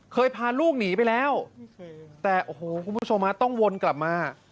พาลูกหนีไปแล้วแต่โอ้โหคุณผู้ชมฮะต้องวนกลับมา